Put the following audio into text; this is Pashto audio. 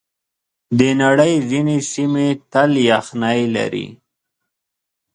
د نړۍ ځینې سیمې تل یخنۍ لري.